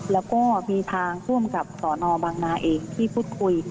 แล้วก็มีทางผู้อำกับสนบางนาเองที่พูดคุย